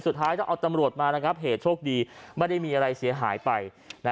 สุดท้ายต้องเอาตำรวจมาระงับเหตุโชคดีไม่ได้มีอะไรเสียหายไป